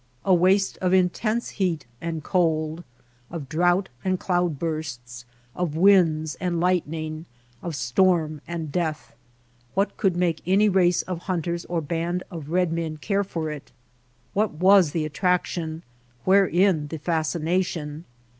A waste of intense heat and cold, of drouth and cloud bursts, of winds and lightning, of storm and death, what could make any race of hunters or band of red men care for it ? What was the attraction, wherein the fascination